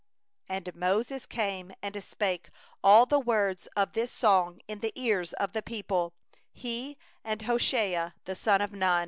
44And Moses came and spoke all the words of this song in the ears of the people, he, and Hoshea the son of Nun.